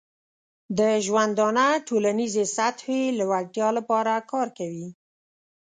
د ژوندانه ټولنیزې سطحې لوړتیا لپاره کار کوي.